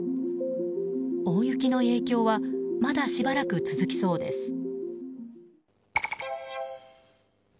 大雪の影響はまだしばらく続きそうです。